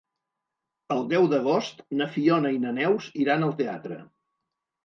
El deu d'agost na Fiona i na Neus iran al teatre.